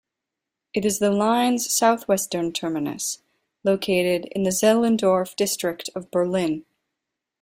It is the line's southwestern terminus, located in the Zehlendorf district of Berlin.